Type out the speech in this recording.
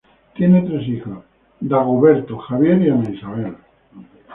Tiene tres hijos: Dagoberto, Javier y Ana Isabel.